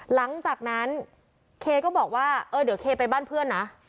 หลังจากนั้นเคก็บอกว่าเออเดี๋ยวเคไปบ้านเพื่อนนะ